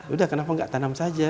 udah kenapa nggak tanam saja